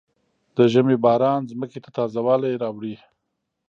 د ژمي باران ځمکې ته تازه والی راوړي.